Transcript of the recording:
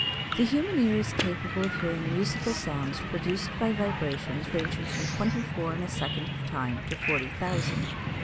The human ear is capable of hearing musical sounds produced by vibrations ranging from twenty four in a second of time to forty thousand.